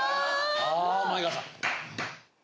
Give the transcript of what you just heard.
ああー前川さん